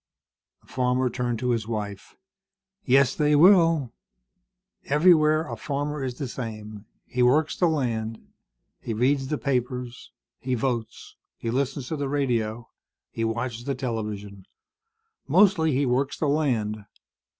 The farmer turned to his wife. "Yes, they will. Everywhere a farmer is the same. He works the land. He reads the papers. He votes. He listens to the radio. He watches the television. Mostly, he works the land.